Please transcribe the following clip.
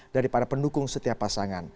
daripada pendukung setiap pasangan